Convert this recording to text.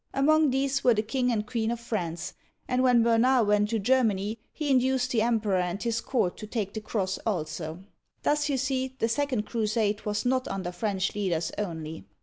Among these were the King and Queen of France, and when Bernard went to Germany he induced the Em peror and his court to take the cross also. Thus, you see, the second crusade was not under French leaders only.